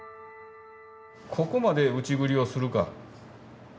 ここまで内刳りをするか。